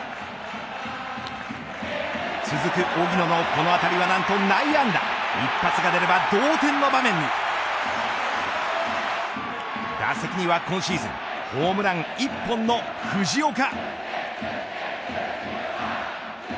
続く荻野のこの当たりは何と内野安打一発が出れば同点の場面に打席には今シーズンホームラン１本の藤岡。